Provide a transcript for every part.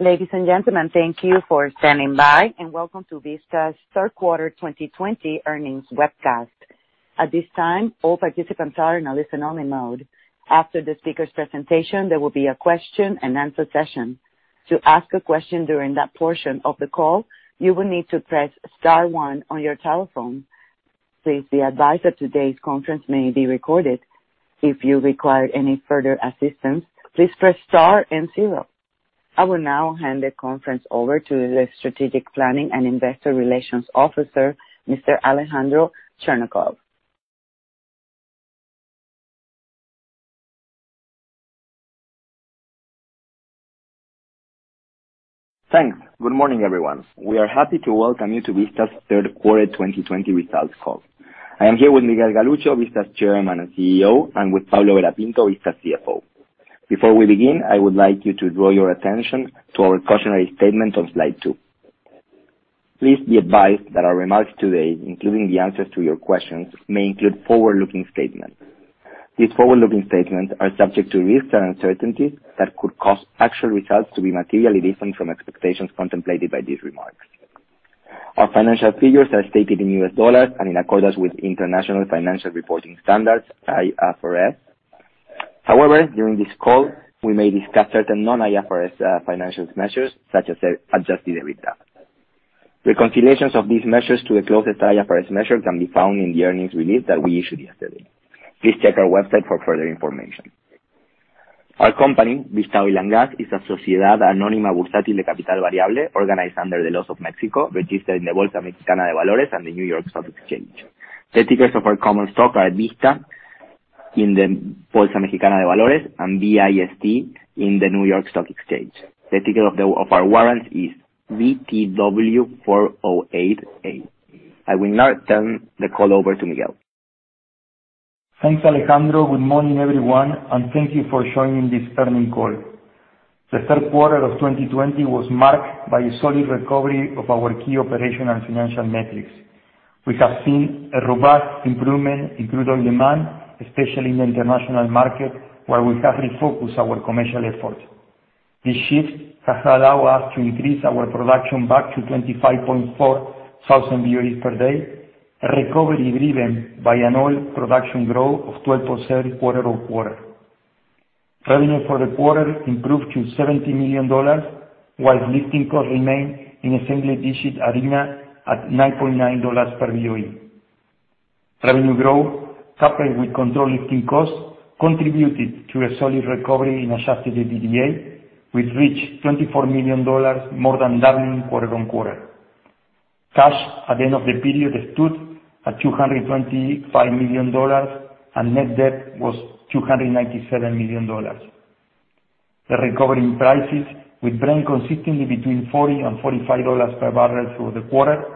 Ladies and gentlemen, thank you for standing by, and welcome to Vista's third quarter 2020 earnings webcast. At this time, all participants are in a listen-only mode. After the speaker's presentation, there will be a question-and-answer session. To ask a question during that portion of the call, you will need to press star one on your telephone. Please be advised that today's conference may be recorded. If you require any further assistance, please press star and zero. I will now hand the conference over to the Strategic Planning and Investor Relations Officer, Mr. Alejandro Cherñacov. Thanks. Good morning, everyone. We are happy to welcome you to Vista's third quarter 2020 results call. I am here with Miguel Galuccio, Vista's Chairman and CEO, and with Pablo Vera Pinto, Vista's CFO. Before we begin, I would like you to draw your attention to our cautionary statement on slide two. Please be advised that our remarks today, including the answers to your questions, may include forward-looking statements. These forward-looking statements are subject to risks and uncertainties that could cause actual results to be materially different from expectations contemplated by these remarks. Our financial figures are stated in U.S. dollars and in accordance with International Financial Reporting Standards, IFRS. During this call, we may discuss certain non-IFRS financial measures, such as adjusted EBITDA. Reconciliations of these measures to the closest IFRS measure can be found in the earnings release that we issued yesterday. Please check our website for further information. Our company, Vista Oil & Gas, is a sociedad anónima bursátil de capital variable organized under the laws of Mexico, registered in the Bolsa Mexicana de Valores and the New York Stock Exchange. The tickers of our common stock are VISTA in the Bolsa Mexicana de Valores and VIST in the New York Stock Exchange. The ticker of our warrants is VTW408A. I will now turn the call over to Miguel. Thanks, Alejandro. Good morning, everyone, and thank you for joining this earnings call. The third quarter of 2020 was marked by a solid recovery of our key operational and financial metrics. We have seen a robust improvement in crude oil demand, especially in the international market, where we have refocused our commercial efforts. This shift has allowed us to increase our production back to 25.4 thousand barrels per day, a recovery driven by an oil production growth of 12% quarter-on-quarter. Revenue for the quarter improved to $70 million, while lifting costs remained in a single-digit arena at $9.9 per BOE. Revenue growth, coupled with controlled lifting costs, contributed to a solid recovery in adjusted EBITDA, which reached $24 million, more than doubling quarter-on-quarter. Cash at the end of the period stood at $225 million, and net debt was $297 million. The recovery in prices, with Brent consistently $40-$45 per barrel through the quarter,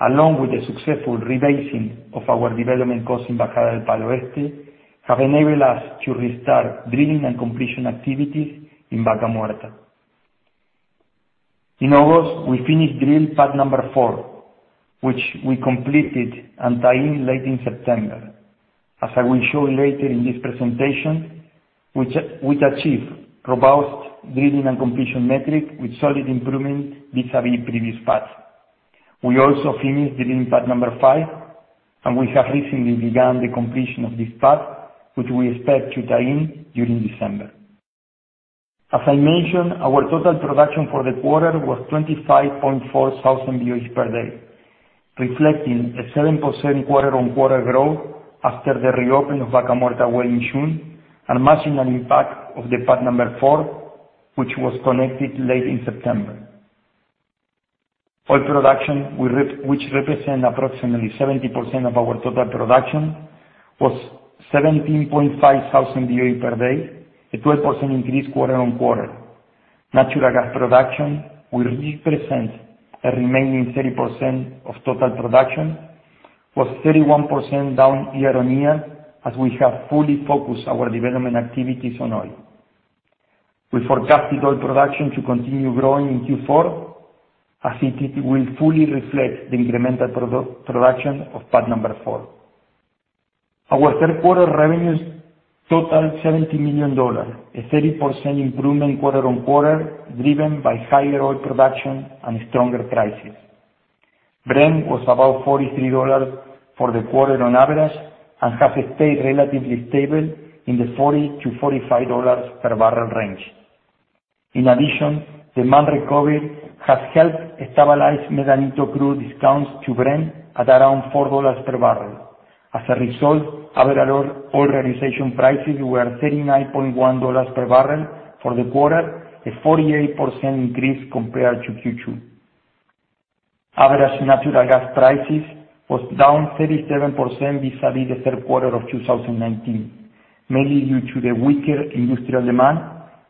along with the successful rebasing of our development costs in Bajada del Palo Oeste, have enabled us to restart drilling and completion activities in Vaca Muerta. In August, we finished drill pad number four, which we completed and tied in late in September. As I will show later in this presentation, we'd achieved robust drilling and completion metrics with solid improvement vis-à-vis previous pads. We also finished drilling pad number five, and we have recently begun the completion of this pad, which we expect to tie in during December. As I mentioned, our total production for the quarter was 25.4 thousand barrels per day, reflecting a 7% quarter-over-quarter growth after the reopening of Vaca Muerta well in June, and matching an impact of the pad number four, which was connected late in September. Oil production, which represents approximately 70% of our total production, was 17.5 thousand BOE per day, a 12% increase quarter-over-quarter. Natural gas production, which represents a remaining 30% of total production, was 31% down year-over-year, as we have fully focused our development activities on oil. We forecast the total production to continue growing in Q4, as it will fully reflect the incremental production of pad number 4. Our third quarter revenues totaled $70 million, a 30% improvement quarter-over-quarter, driven by higher oil production and stronger prices. Brent was about $43 for the quarter on average and has stayed relatively stable in the $40-$45 per barrel range. In addition, demand recovery has helped stabilize Medanito crude discounts to Brent at around $4 per barrel. As a result, average oil realization prices were $39.1 per barrel for the quarter, a 48% increase compared to Q2. Average natural gas prices was down 37% vis-à-vis the third quarter of 2019, mainly due to the weaker industrial demand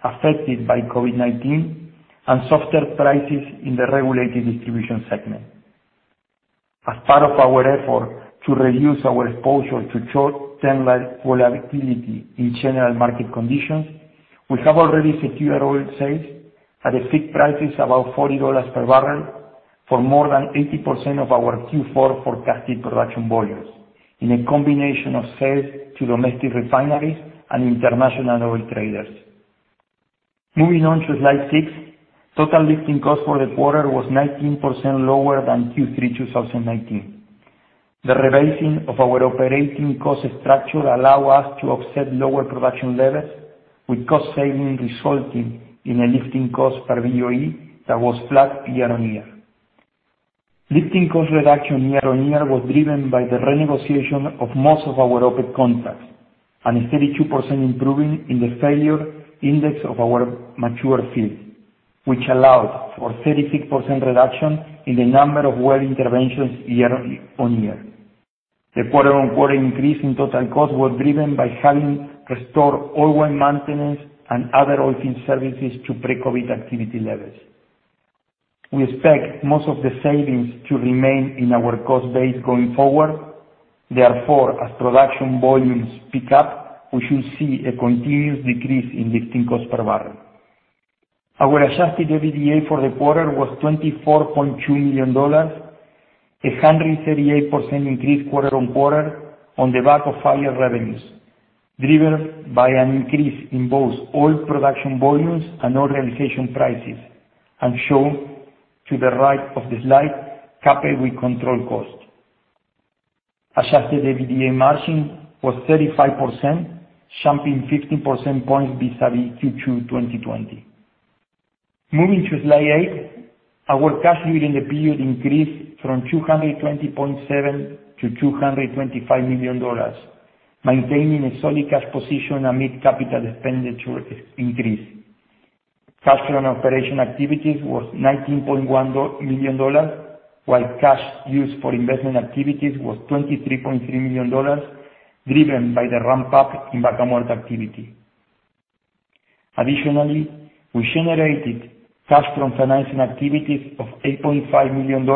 affected by COVID-19 and softer prices in the regulated distribution segment. As part of our effort to reduce our exposure to short-term volatility in general market conditions, we have already secured oil sales at a fixed price of about $40 per barrel For more than 80% of our Q4 forecasted production volumes, in a combination of sales to domestic refineries and international oil traders. Moving on to slide six. Total lifting cost for the quarter was 19% lower than Q3 2019. The rebasing of our operating cost structure allow us to offset lower production levels with cost saving, resulting in a lifting cost per BOE that was flat year-on-year. Lifting cost reduction year-on-year was driven by the renegotiation of most of our OPEX contracts and a 32% improvement in the failure index of our mature fields, which allowed for 36% reduction in the number of well interventions year-on-year. The quarter-on-quarter increase in total costs were driven by having restored oil well maintenance and other oil field services to pre-COVID activity levels. We expect most of the savings to remain in our cost base going forward. Therefore, as production volumes pick up, we should see a continuous decrease in lifting cost per barrel. Our adjusted EBITDA for the quarter was $24.2 million, 138% increase quarter-on-quarter on the back of higher revenues, driven by an increase in both oil production volumes and oil realization prices, and shown to the right of the slide, coupled with controlled costs. Adjusted EBITDA margin was 35%, jumping 50% points vis-a-vis Q2 2020. Moving to slide eight. Our cash during the period increased from $220.7 million to $225 million, maintaining a solid cash position amid capital expenditure increase. Cash from operation activities was $19.1 million, while cash use for investment activities was $23.3 million, driven by the ramp-up in Vaca Muerta activity. Additionally, we generated cash from financing activities of $8.5 million,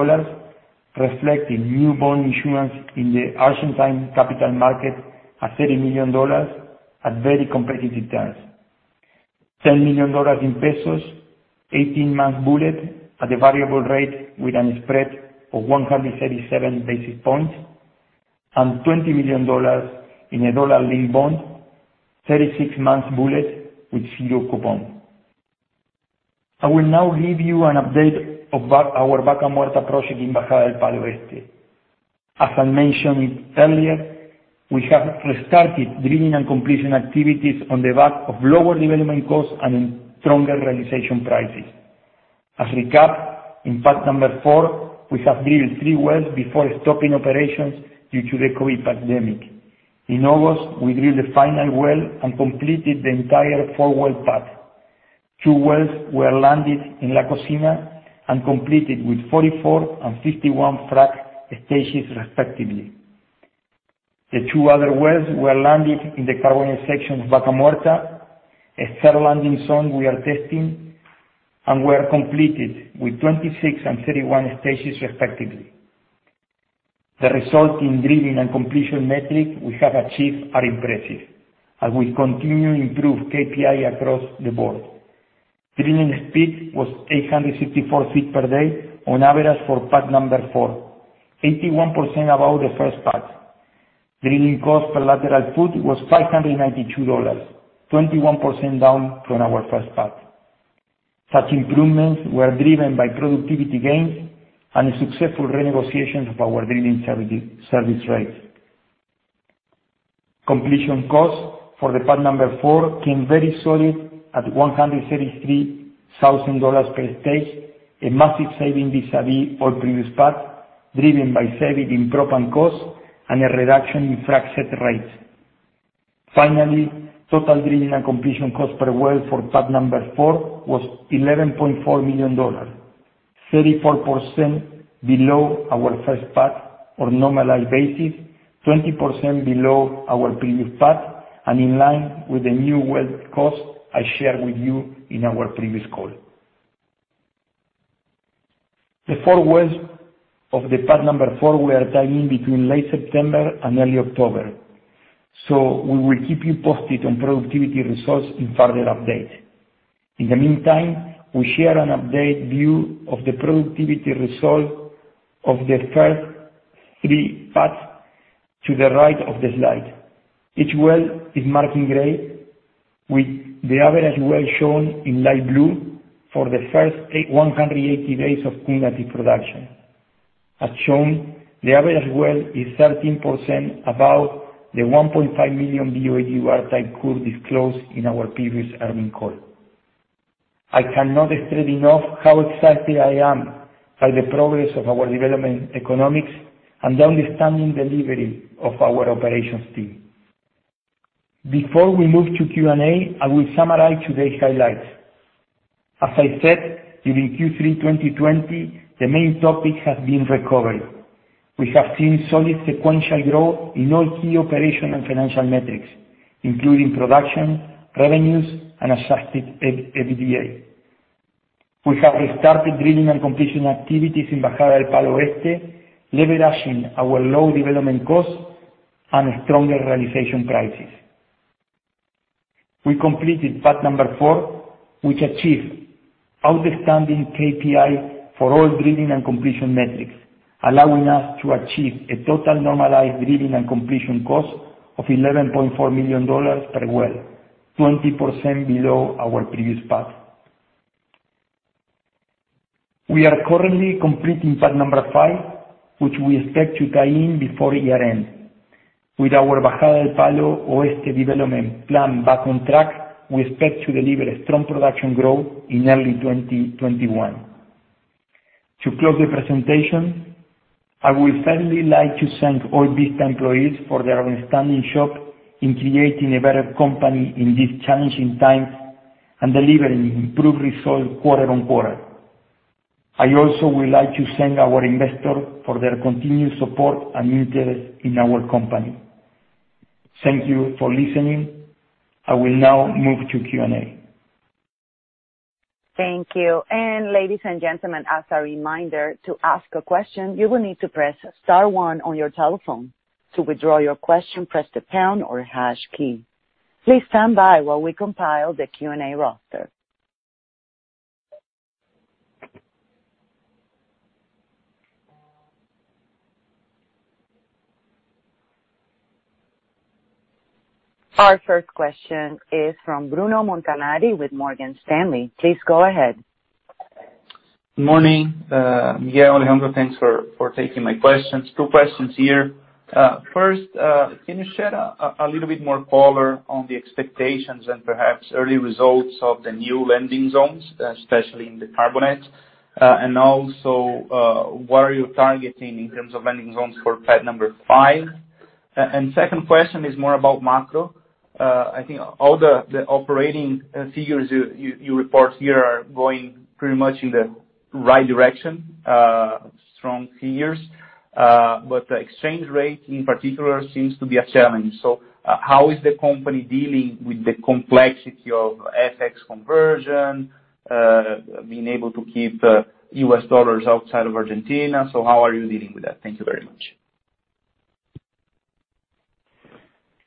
reflecting new bond issuance in the Argentine capital market at $30 million at very competitive terms, $10 million in pesos, 18-month bullet at a variable rate with a spread of 137 basis points, and $20 million in a dollar-linked bond, 36 months bullet with zero coupon. I will now give you an update of our Vaca Muerta project in Bajada del Palo Oeste. As I mentioned earlier, we have restarted drilling and completion activities on the back of lower development costs and stronger realization prices. As recap, in pad number four, we have drilled three wells before stopping operations due to the COVID-19 pandemic. In August, we drilled the final well and completed the entire 4-well pad. Two wells were landed in La Cocina and completed with 44 and 51 fracked stages, respectively. The two other wells were landed in the Carbonate section of Vaca Muerta. A third landing zone we are testing, and were completed with 26 and 31 stages, respectively. The result in drilling and completion metric we have achieved are impressive, as we continue to improve KPI across the board. Drilling speed was 864 ft per day on average for pad number four, 81% above the first pad. Drilling cost per lateral foot was $592, 21% down from our first pad. Such improvements were driven by productivity gains and successful renegotiations of our drilling service rates. Completion cost for the pad number four came very solid at $133,000 per stage, a massive saving vis-a-vis all previous pads, driven by saving in proppant costs and a reduction in frac set rates. Total drilling and completion cost per well for pad 4 was $11.4 million, 34% below our first pad or normalized basis, 20% below our previous pad, and in line with the new well cost I shared with you in our previous call. The four wells of the pad 4 were tied in between late September and early October. We will keep you posted on productivity results in further update. In the meantime, we share an update view of the productivity result of the first three pads to the right of the slide. Each well is marked in gray, with the average well shown in light blue for the first 180 days of cumulative production. As shown, the average well is 13% above the 1.5 million BOE type curve disclosed in our previous earning call. I cannot stress enough how excited I am by the progress of our development economics and the outstanding delivery of our operations team. Before we move to Q&A, I will summarize today's highlights. As I said, during Q3 2020, the main topic has been recovery. We have seen solid sequential growth in all key operational and financial metrics, including production, revenues, and adjusted EBITDA. We have restarted drilling and completion activities in Bajada del Palo Oeste, leveraging our low development costs and stronger realization prices. We completed pad number 4, which achieved outstanding KPI for all drilling and completion metrics, allowing us to achieve a total normalized drilling and completion cost of $11.4 million per well, 20% below our previous pad. We are currently completing pad number five, which we expect to tie-in before year-end. With our Bajada del Palo Oeste development plan back on track, we expect to deliver strong production growth in early 2021. To close the presentation, I would finally like to thank all Vista employees for their outstanding job in creating a better company in these challenging times and delivering improved results quarter on quarter. I also would like to thank our investors for their continued support and interest in our company. Thank you for listening. I will now move to Q&A. Thank you. Ladies and gentlemen, as a reminder, to ask a question, you will need to press star one on your telephone. To withdraw your question, press the pound or hash key. Please stand by while we compile the Q&A roster. Our first question is from Bruno Montanari with Morgan Stanley. Please go ahead. Morning. Yeah, Alejandro, thanks for taking my questions. Two questions here. First, can you shed a little bit more color on the expectations and perhaps early results of the new landing zones, especially in the Carbonate? Also, what are you targeting in terms of landing zones for pad number five? Second question is more about macro. I think all the operating figures you report here are going pretty much in the right direction, strong figures. The exchange rate, in particular, seems to be a challenge. How is the company dealing with the complexity of FX conversion, being able to keep the US dollars outside of Argentina? How are you dealing with that? Thank you very much.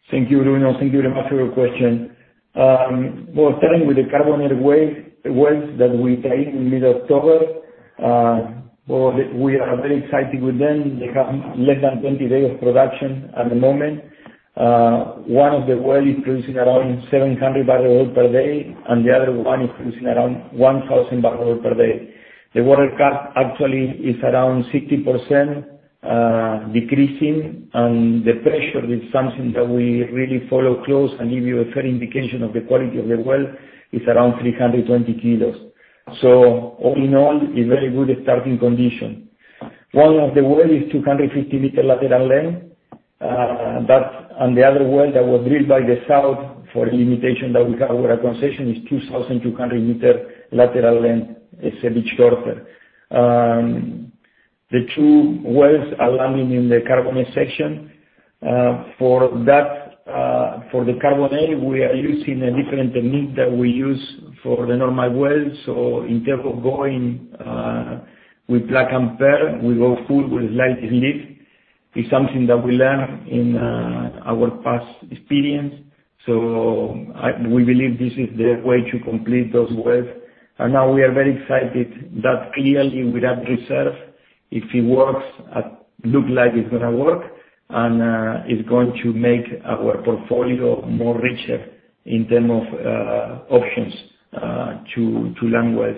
Thank you, Bruno. Thank you very much for your question. Starting with the carbonate wells that we tied in mid-October, we are very excited with them. They have less than 20 days of production at the moment. One of the well is producing around 700 bbl per day, the other one is producing around 1,000 bbl per day. The water cut actually is around 60%, decreasing. The pressure is something that we really follow close and give you a fair indication of the quality of the well, is around 320 kg. All in all, a very good starting condition. One of the well is 250-meter lateral length. That and the other well that was drilled by the south, for the limitation that we have with our concession, is 2,200-meter lateral length. It's a bit shorter. The two wells are landing in the carbonate section. For the carbonate, we are using a different technique that we use for the normal wells. In terms of going with plug and perf, we go full with slickwater. It's something that we learn in our past experience. We believe this is the way to complete those wells. Now we are very excited that clearly we have reserve. If it works, looks like it's going to work, and it's going to make our portfolio richer in terms of options to land wells.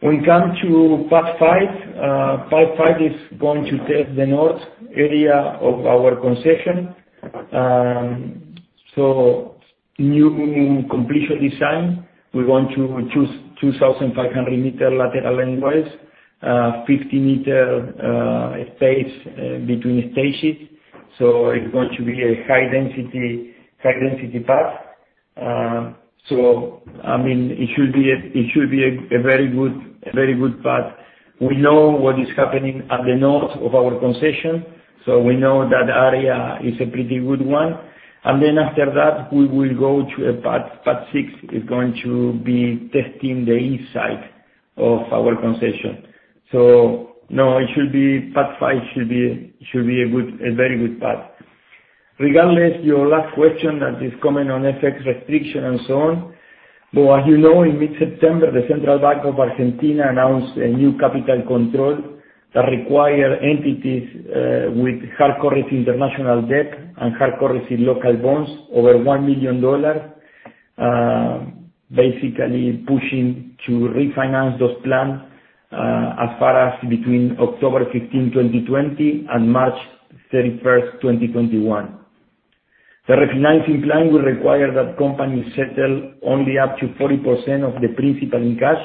When it comes to pad 5, pad 5 is going to test the north area of our concession. New completion design, we want to choose 2,500 m lateral length wells, 50 m space between stages. It's going to be a high density pad. It should be a very good pad. We know what is happening at the north of our concession. We know that area is a pretty good one. After that, we will go to a pad 6 is going to be testing the east side of our concession. Pad 5 should be a very good pad. Regardless, your last question that is comment on FX restriction and so on. As you know, in mid-September, the Central Bank of Argentina announced a new capital control that require entities, with hard currency international debt and hard currency local bonds over $1 million, basically pushing to refinance those plans, as far as between October 15th, 2020, and March 31st, 2021. The refinancing plan will require that companies settle only up to 40% of the principal in cash,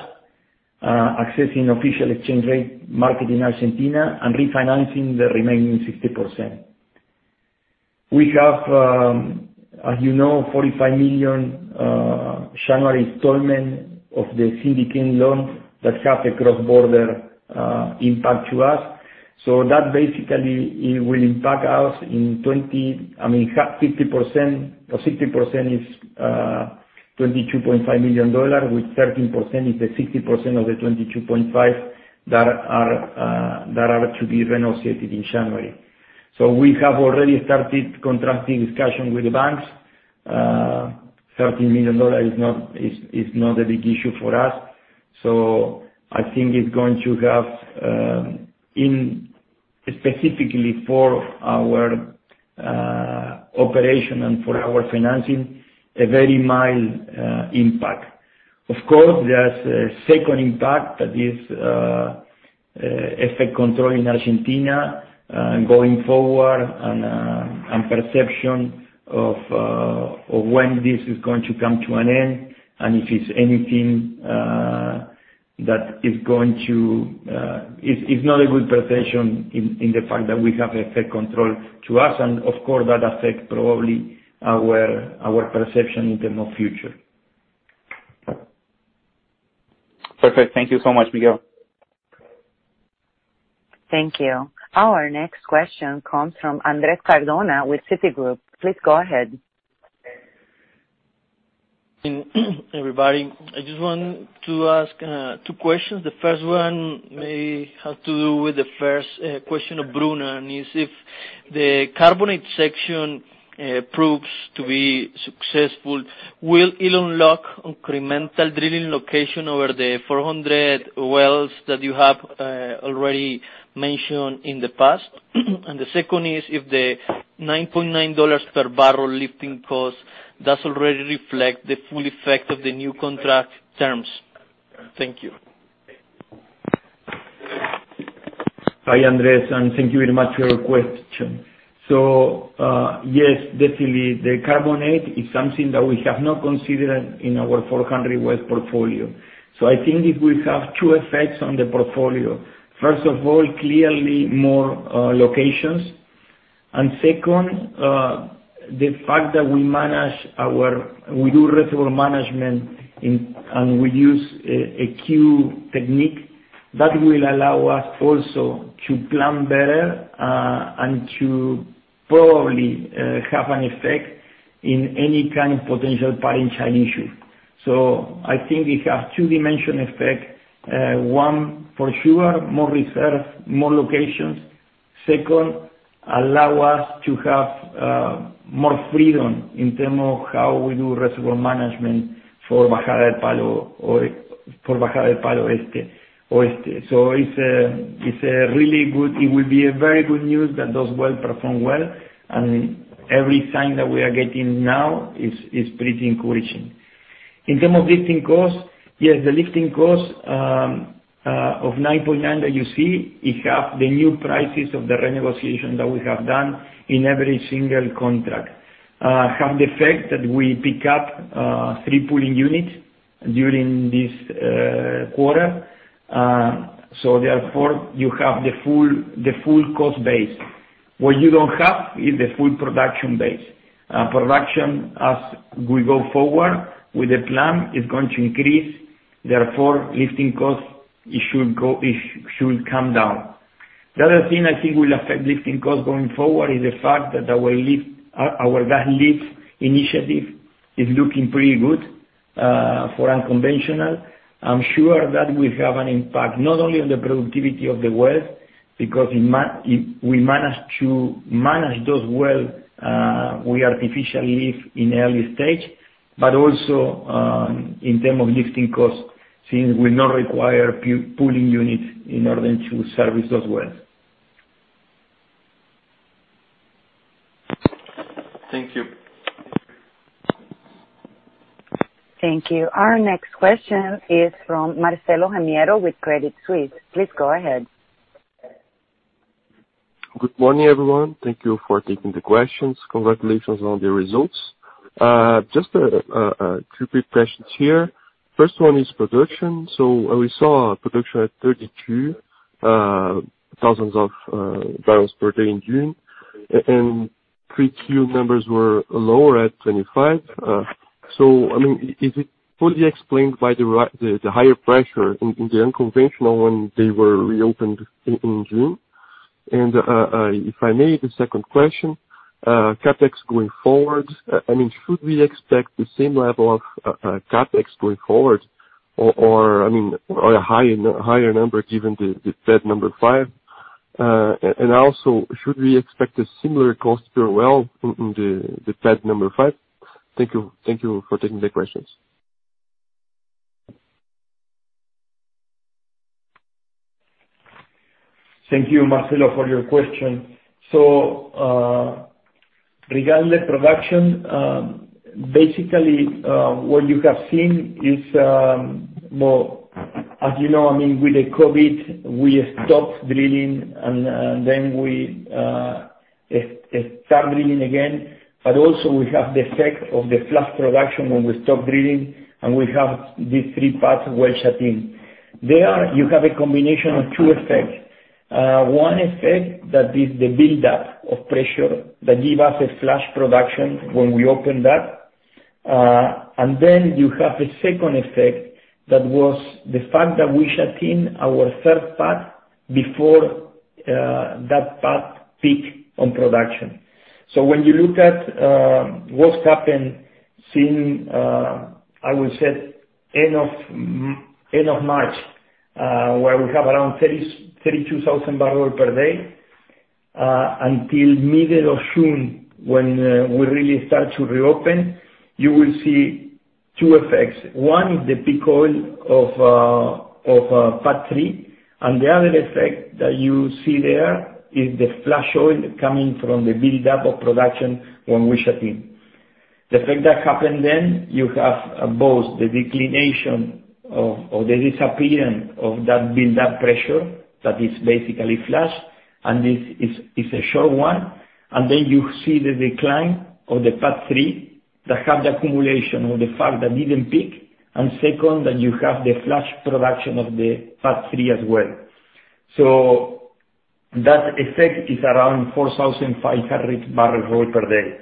accessing official exchange rate market in Argentina and refinancing the remaining 60%. We have, as you know, $45 million, January installment of the Syndicated Loan that have a cross-border impact to us. That basically will impact us. It have 50% or 60% is $22.5 million, with 13% is the 60% of the $22.5 that are to be renegotiated in January. We have already started contracting discussion with the banks. $13 million is not a big issue for us, I think it's going to have, specifically for our operation and for our financing, a very mild impact. Of course, there's a second impact, that is capital controls in Argentina, and going forward and perception of when this is going to come to an end, and if it's anything that is not a good perception in the fact that we have capital controls to us, and of course, that affects probably our perception in terms of future. Perfect. Thank you so much, Miguel. Thank you. Our next question comes from Andres Cardona with Citigroup. Please go ahead. Everybody, I just want to ask two questions. The first one may have to do with the first question of Bruno, and is if the Carbonate section proves to be successful, will it unlock incremental drilling location over the 400 wells that you have already mentioned in the past? The second is, if the $9.9 per barrel lifting cost does already reflect the full effect of the new contract terms. Thank you. Hi, Andres. Thank you very much for your question. Yes, definitely the carbonate is something that we have not considered in our 400 well portfolio. I think it will have two effects on the portfolio. First of all, clearly more locations. Second, the fact that we do reservoir management, and we use a cube technique, that will allow us also to plan better, and to probably have an effect in any kind of potential participation issue. I think it has two dimension effect. One, for sure, more reserve, more locations. Second, allow us to have more freedom in terms of how we do reservoir management for Vaca Muerta or for Bajada del Palo Oeste. It would be a very good news that those well perform well. Every sign that we are getting now is pretty encouraging. In terms of lifting costs, yes, the lifting costs of 9.9 that you see, it has the new prices of the renegotiation that we have done in every single contract. Have the effect that we pick up three pulling units during this quarter. Therefore, you have the full cost base. What you don't have is the full production base. Production, as we go forward with the plan, is going to increase, therefore, lifting costs should come down. The other thing I think will affect lifting costs going forward is the fact that our lift initiative is looking pretty good, for unconventional. I'm sure that will have an impact not only on the productivity of the well, because we manage those well, we artificially lift in early stage, but also, in term of lifting costs, since we not require pulling units in order to service those well. Thank you. Thank you. Our next question is from Marcelo Gumiero with Credit Suisse. Please go ahead. Good morning, everyone. Thank you for taking the questions. Congratulations on the results. Just two quick questions here. First one is production. We saw production at 32,000 bbl per day in June, and 3Q numbers were lower at 25. Is it fully explained by the higher pressure in the unconventional when they were reopened in June? If I may, the second question, CapEx going forward, should we expect the same level of CapEx going forward or a higher number given the pad number 5? Also, should we expect a similar cost per well in the pad number 5? Thank you for taking the questions. Thank you, Marcelo, for your question. Regarding the production, basically, what you have seen is, as you know, with the COVID, we stopped drilling and then we start drilling again. Also we have the effect of the flush production when we stop drilling, and we have these three pads well shut in. There, you have a combination of two effects. One effect that is the buildup of pressure that give us a flush production when we open that. You have a second effect, that was the fact that we shut in our third pad before that pad peak on production. When you look at what's happened since, I will say, end of March, where we have around 32,000 bbl per day, until middle of June, when we really start to reopen, you will see two effects. One is the peak oil of pad three, and the other effect that you see there is the flush oil coming from the buildup of production when we shut in. The effect that happened then, you have both the declination or the disappearance of that buildup pressure that is basically flush, and this is a short one. Then you see the decline of the pad three that had the accumulation of the fact that it didn't peak, and second, that you have the flush production of the pad three as well. That effect is around 4,500 bbl of oil per day.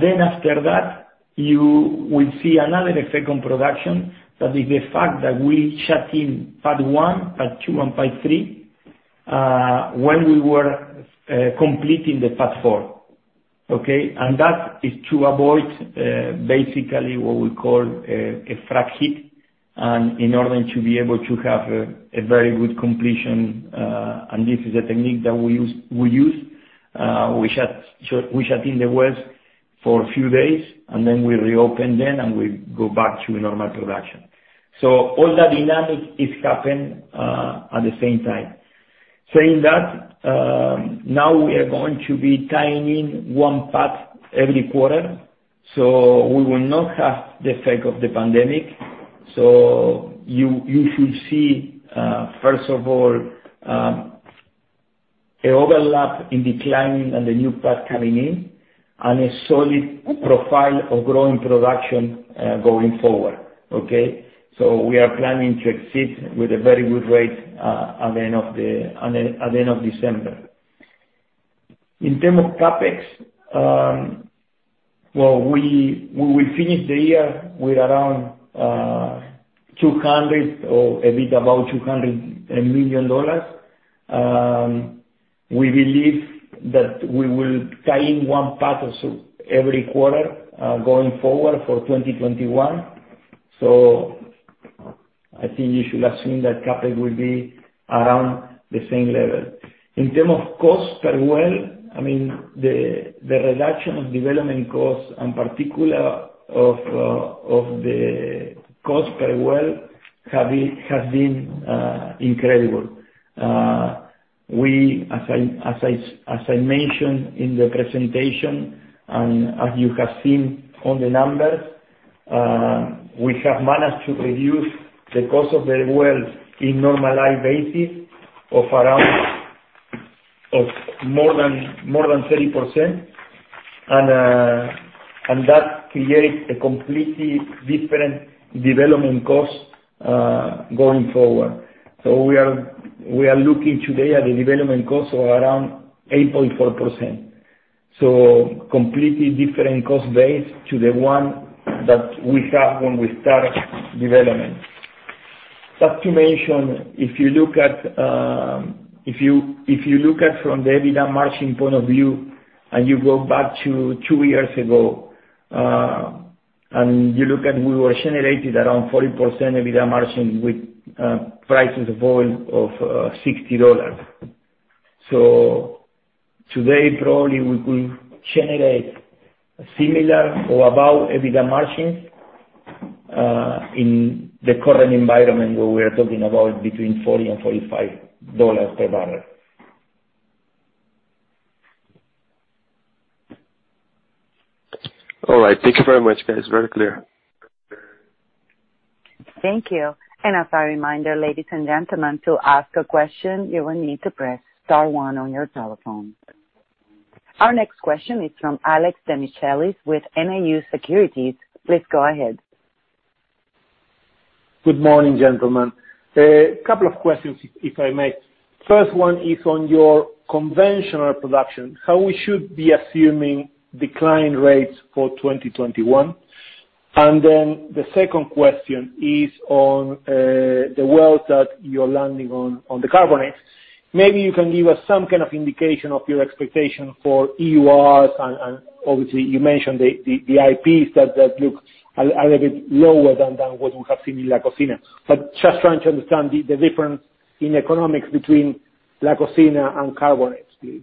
Then after that, you will see another effect on production. That is the fact that we shut in pad one, pad two, and pad three, when we were completing the pad 4. Okay? That is to avoid, basically what we call a frac hit, and in order to be able to have a very good completion, and this is a technique that we use. We shut in the wells for a few days, and then we reopen them, and we go back to normal production. All that dynamic is happening at the same time. Saying that, now we are going to be tying in one pad every quarter. We will not have the effect of the pandemic. You should see, first of all, an overlap in declining and the new pad coming in, and a solid profile of growing production going forward. Okay? We are planning to exit with a very good rate at the end of December. In terms of CapEx, well, we will finish the year with around $200 million or a bit above $200 million. We believe that we will tie in one pad every quarter, going forward for 2021. I think you should assume that CapEx will be around the same level. In terms of cost per well, the reduction of development costs, and particularly of the cost per well, has been incredible. As I mentioned in the presentation, and as you have seen on the numbers, we have managed to reduce the cost of the wells in normalized basis of more than 30%, and that creates a completely different development cost, going forward. We are looking today at the development cost of around 8.4%, a completely different cost base to the one that we had when we started development. Just to mention, if you look at from the EBITDA margin point of view, you go back to two years ago, you look at we were generating around 40% EBITDA margin with prices of oil of $60. Today, probably we will generate similar or above EBITDA margins, in the current environment, where we are talking about between $40 and $45 per barrel. All right. Thank you very much, guys. Very clear. Thank you. As a reminder, ladies and gentlemen, to ask a question, you will need to press star 1 on your telephone. Our next question is from Alex Demichelis with Nau Securities. Please go ahead. Good morning, gentlemen. A couple of questions, if I may. First one is on your conventional production, how we should be assuming decline rates for 2021. The second question is on the wells that you're landing on the Carbonates. Maybe you can give us some kind of indication of your expectation for EURs and obviously you mentioned the IPs that look a little bit lower than what you have seen in La Cocina. Just trying to understand the difference in economics between La Cocina and Carbonates, please.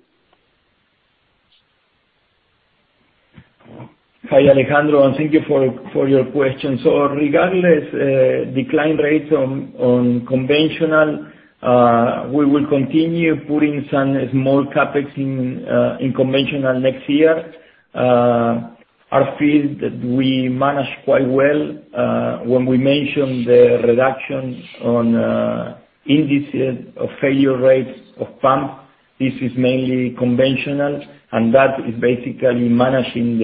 Hi, Alejandro, thank you for your question. Regardless decline rates on conventional, we will continue putting some small CapEx in conventional next year. Our fields that we managed quite well, when we mention the reduction on indices of failure rates of pump, this is mainly conventional, and that is basically managing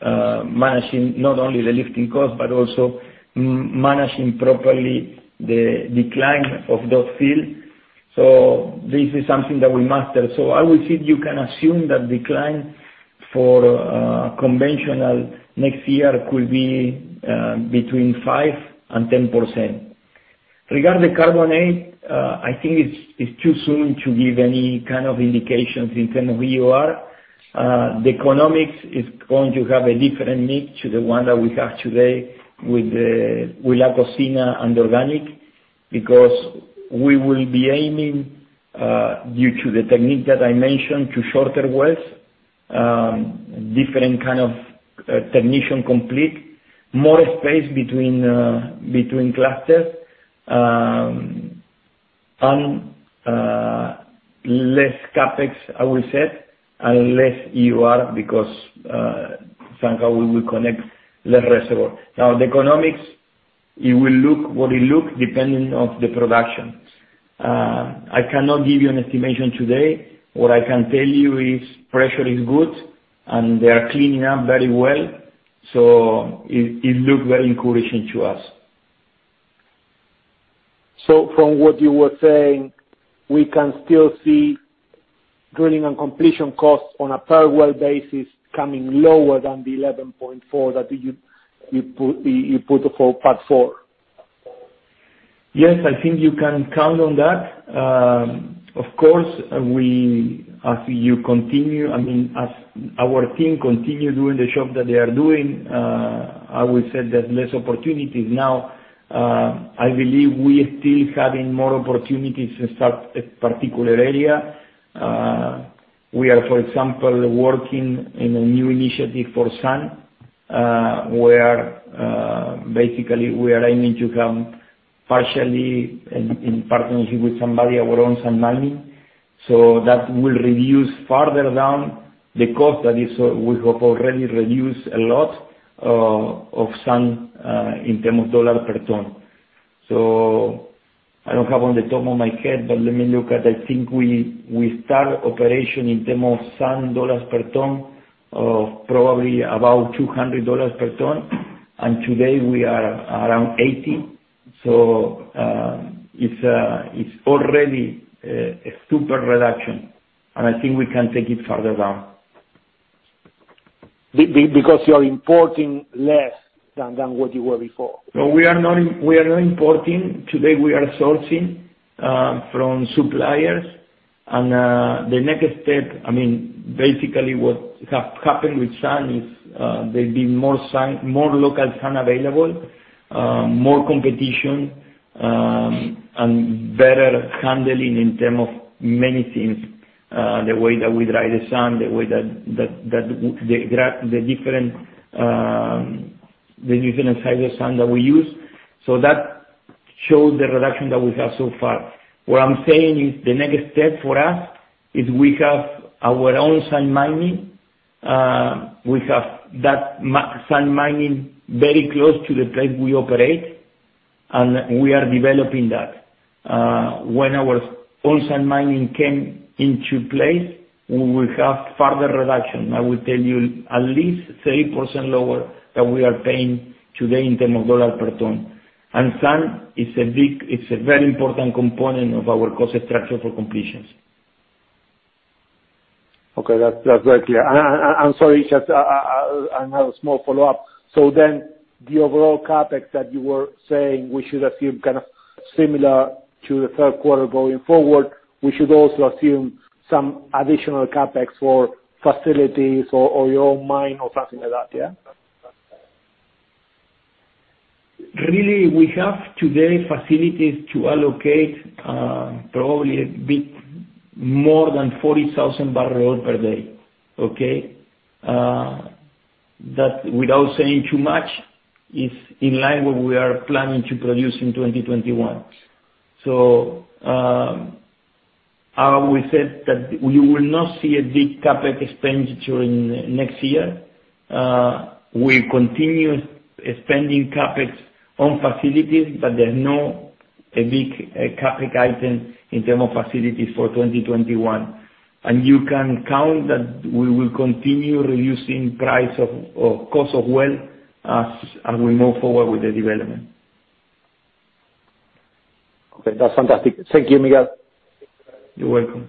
not only the lifting cost, but also managing properly the decline of those fields. This is something that we master. I will say you can assume that decline for conventional, next year could be between 5% and 10%. Regarding the Carbonate, I think it's too soon to give any kind of indications in terms of EUR. The economics is going to have a different need to the one that we have today with La Cocina and Organic, because we will be aiming, due to the technique that I mentioned, to shorter wells, different kind of techn complete, more space between clusters, and less CapEx, I will say, and less EUR because somehow we will connect less reservoir. The economics, it will look what it look depending on the production. I cannot give you an estimation today. What I can tell you is pressure is good, and they are cleaning up very well. It looks very encouraging to us. From what you were saying, we can still see drilling and completion costs on a per well basis coming lower than the $11.4 that you put for Q4. Yes, I think you can count on that. Of course, as our team continue doing the job that they are doing, I would say there's less opportunities now. I believe we still having more opportunities to start a particular area. We are, for example, working in a new initiative for sand, where basically we are aiming to come partially in partnership with somebody around sand mining. That will reduce further down the cost that we have already reduced a lot of sand, in terms of $ per ton. I don't have on the top of my head, but let me look at, I think we start operation in terms of sand $ per ton, of probably about $200 per ton, and today we are around $80. It's already a super reduction, and I think we can take it further down. Because you are importing less than what you were before? No, we are not importing. Today, we are sourcing from suppliers, the next step, basically what have happened with sand is, there's been more local sand available, more competition, and better handling in term of many things. The way that we dry the sand, the way that the different types of sand that we use. That shows the reduction that we have so far. What I'm saying is, the next step for us is we have our own sand mining. We have that sand mining very close to the place we operate, and we are developing that. When our own sand mining came into place, we will have further reduction. I will tell you at least 3% lower than we are paying today in term of dollar per ton. Sand, it's a very important component of our cost structure for completions. Okay, that's very clear. I'm sorry, just another small follow-up. The overall CapEx that you were saying we should assume kind of similar to the third quarter going forward, we should also assume some additional CapEx for facilities or your own mine or something like that, yeah? We have today facilities to allocate, probably a bit more than 40,000 barrel per day. Okay? Without saying too much, is in line with what we are planning to produce in 2021. I will say that we will not see a big CapEx expenditure in next year. We'll continue spending CapEx on facilities, but there's no a big CapEx item in term of facilities for 2021. You can count that we will continue reducing price of, or cost of well as we move forward with the development. Okay. That's fantastic. Thank you, Miguel. You're welcome.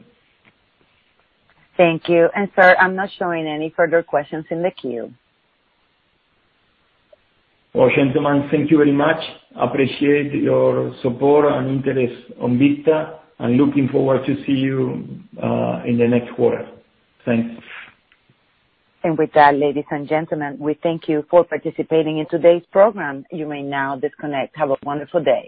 Thank you. Sir, I'm not showing any further questions in the queue. Well, gentlemen, thank you very much. Appreciate your support and interest on Vista, and looking forward to see you in the next quarter. Thanks. With that, ladies and gentlemen, we thank you for participating in today's program. You may now disconnect. Have a wonderful day.